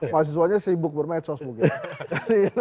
mahasiswanya sibuk bermecos mungkin